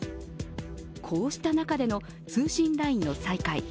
こうした中での通信ラインの再開。